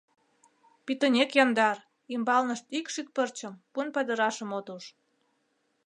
Пӱтынек яндар, ӱмбалнышт ик шӱк пырчым, пун падырашым от уж.